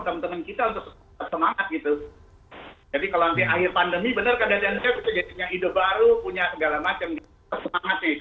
kita harus semangat sih